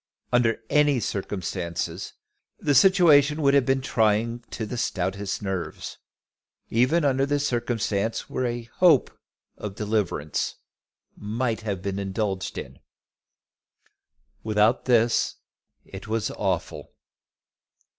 Under any circumstances the situation would have been trying to the stoutest nerves, even under circumstances where a hope of deliverance might have been indulged in. Without this it was awful.